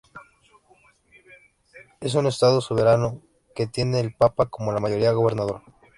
Es un estado soberano que tiene el Papa como la mayoría gobernador.